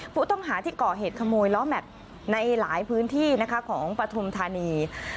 ผู้ต้องหาที่ก่อเหตุขโมยล้อแม็กซ์ในหลายพื้นที่นะคะของปฐุมธานี